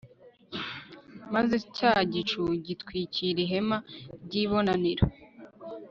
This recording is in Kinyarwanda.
Maze cya gicu gitwikira ihema ry ibonaniro